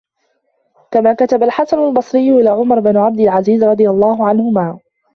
كَمَا كَتَبَ الْحَسَنُ الْبَصْرِيُّ إلَى عُمَرَ بْنِ عَبْدِ الْعَزِيزِ رَضِيَ اللَّهُ عَنْهُمَا